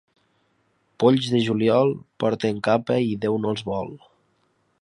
Polls de juliol, porten capa i Déu no els vol.